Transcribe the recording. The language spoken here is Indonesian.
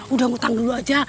udah mutang dulu aja